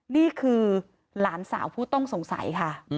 นี่คือหลานสาวผู้ต้องสงสัยค่ะ